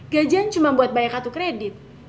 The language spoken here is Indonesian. gajian cuma buat bayar kartu kredit